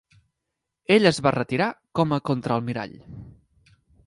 Ell es va retirar com a contraalmirall.